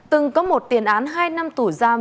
từng có một tiền án hai năm tủ giam